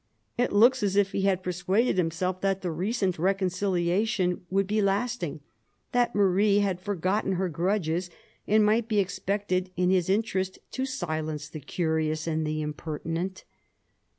It looks as if he had persuaded himself that the recent reconciliation would be lasting, that Marie had forgotten her grudges and might be expected, in his interest, to silence the curious and the impertinent.